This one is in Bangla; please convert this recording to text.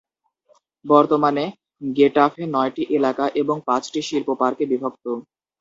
বর্তমানে, গেটাফে নয়টি এলাকা এবং পাঁচটি শিল্প পার্কে বিভক্ত।